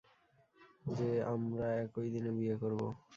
যে আমরা একই দিনে বিয়ে করবো।